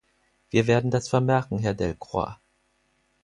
Wir werden das vermerken, Herr Delcroix.